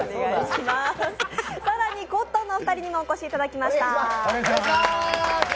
更にコットンのお二人にもお越しいただきました。